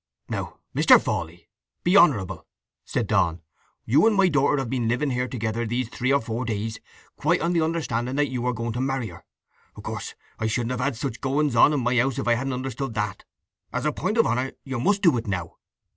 "Now, Mr. Fawley be honourable," said Donn. "You and my daughter have been living here together these three or four days, quite on the understanding that you were going to marry her. Of course I shouldn't have had such goings on in my house if I hadn't understood that. As a point of honour you must do it now."